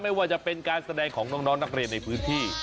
ไม่ว่าจะเป็นการแสดงของน้องนักเรียนในพื้นที่